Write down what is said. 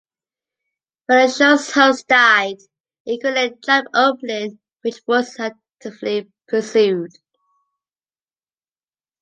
When the show's host died, it created a job opening, which Boortz actively pursued.